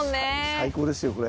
最高ですよこれ。